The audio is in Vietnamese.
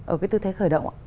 ở cái tư thế khởi động ạ